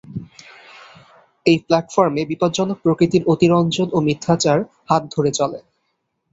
এই প্ল্যাটফর্মে বিপজ্জনক প্রকৃতির অতিরঞ্জন ও মিথ্যাচার হাত ধরে চলে।